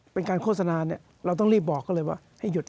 เป็นการโฆษณาเนี่ยเราต้องรีบบอกเขาเลยว่าให้หยุด